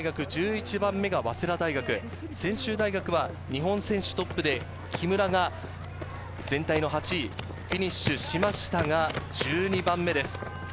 専修大学は日本選手トップで木村が全体の８位でフィニッシュしましたが、１２番目です。